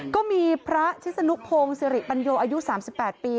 ก็มีพระชิศนุพงศิริปัญโยอายุ๓๘ปี